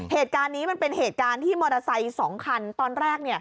เหตุการณ์นี้มันเป็นเหตุการณ์ที่มอเตอร์ไซค์๒คันตอนแรก